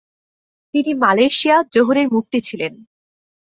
তিনি মালয়েশিয়ার জোহরের মুফতি ছিলেন।